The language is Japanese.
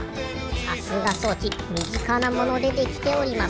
さすが装置みぢかなものでできております。